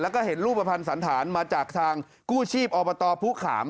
แล้วก็เห็นรูปภัณฑ์สันธารมาจากทางกู้ชีพอบตผู้ขาม